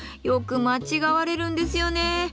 よく間違われるんですよね。